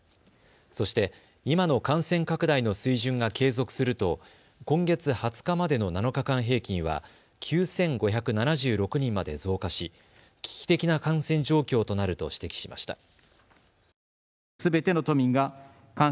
そして今の感染拡大の水準が継続すると今月２０日までの７日間平均は９５７６人まで増加し危機的な感染状況となると指摘しました。